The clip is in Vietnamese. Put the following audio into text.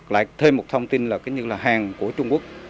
lại thêm một thông tin là như là hàng của trung quốc